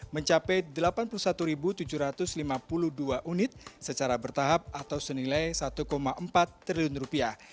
mencapai delapan puluh satu tujuh ratus lima puluh dua unit secara bertahap atau senilai satu empat triliun rupiah